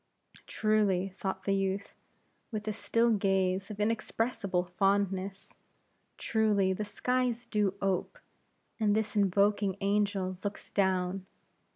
Truly, thought the youth, with a still gaze of inexpressible fondness; truly the skies do ope, and this invoking angel looks down.